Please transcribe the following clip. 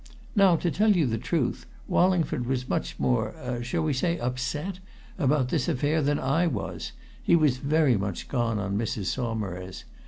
Now, to tell you the truth, Wallingford was much more shall we say upset? about this affair than I was: he was very much gone on Mrs. Saumarez.